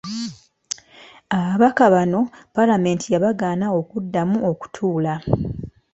Ababaka bano palamenti yabagaana okuddamu okutuula